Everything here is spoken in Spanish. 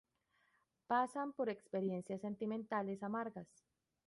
Pasan por experiencias sentimentales amargas.